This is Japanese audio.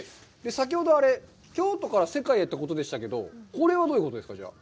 先ほどあれ、京都から世界へということでしたけど、これはどういうことですか、じゃあ。